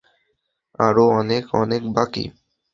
আরো অনেক অনেক বাকি!